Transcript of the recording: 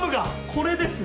これです！